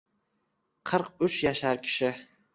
Qirq uch yashar kishi